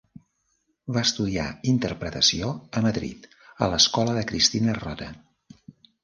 Va estudiar interpretació a Madrid, a l'Escola de Cristina Rota.